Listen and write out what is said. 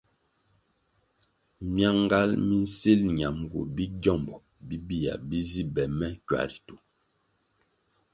Myangal mi nsil ñamgu bi gyómbo bibia bi zi be me kywa ritu.